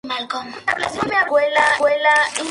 Está muy bien decorada con pinturas murales.